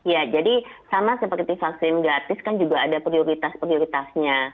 ya jadi sama seperti vaksin gratis kan juga ada prioritas prioritasnya